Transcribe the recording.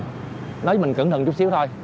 nói với mình cẩn thận chút xíu thôi